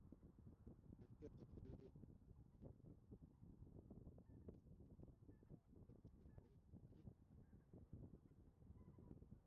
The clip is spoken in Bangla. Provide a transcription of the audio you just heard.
গান্ধী ও জওহরলাল নেহেরু উভয়ই হিন্দুস্তানী সমর্থক ছিলেন এবং কংগ্রেস ভারতের অ-হিন্দিভাষী প্রদেশগুলিতে হিন্দুস্তানি শেখার প্রচলন করতে চেয়েছিলেন।